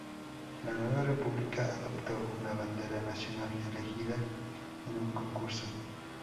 La nueva República adoptó una bandera nacional elegida en un concurso.